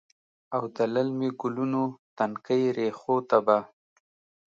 او د للمې ګلونو، تنکۍ ریښو ته به،